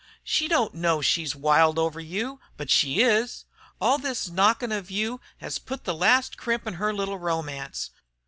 She don't know she's wild over you, but she is. All this knockin' of you has put the last crimp in her little romance.